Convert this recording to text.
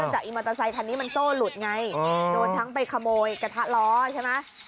จากอีมอเตอร์ไซคันนี้มันโซ่หลุดไงโดนทั้งไปขโมยกระทะล้อใช่ไหม